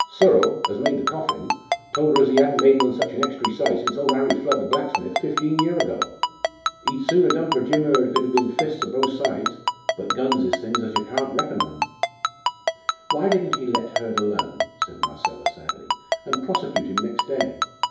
Searle, as made the coffin, told her as ee 'adn't made one such an extry size since old Harry Flood, the blacksmith, fifteen year ago. Ee'd soon a done for Jim Hurd if it 'ad been fists o' both sides. But guns is things as yer can't reckon on.". "Why didn't he let Hurd alone," said Marcella, sadly, "and prosecute him next day?